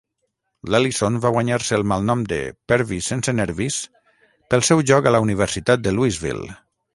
L'Ellison va guanyar-se el malnom de "Pervis sense nervis" pel seu joc a la Universitat de Louisville.